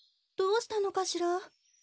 どうしたのかしら？